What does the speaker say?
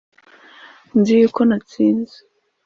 nzi yuko natsinze